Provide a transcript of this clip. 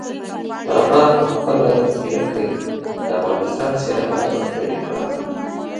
بابا په خپله ځیرکۍ د افغانستان څېره را ژوندۍ کړه.